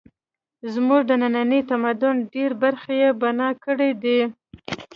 زموږ د ننني تمدن ډېرې برخې یې بنا کړې دي.